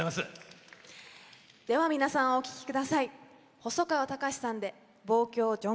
では皆さんお聴きください。